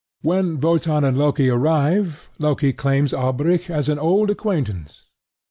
When Wotan and Loki arrive, Loki claims Alberic as an old acquaintance.